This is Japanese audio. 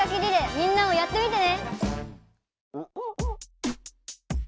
みんなもやってみてね！